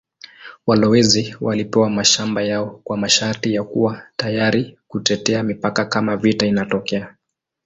Walowezi walipewa mashamba yao kwa masharti ya kuwa tayari kutetea mipaka kama vita inatokea.